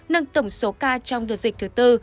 nâng tổng số ca trong đợt dịch thứ bốn